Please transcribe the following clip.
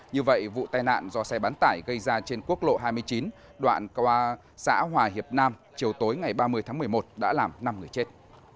như vậy vụ tai nạn do xe bán tải gây ra trên quốc lộ hai mươi chín đoạn xã hòa hiệp nam chiều tối ngày ba mươi tháng một mươi một đã làm năm người chết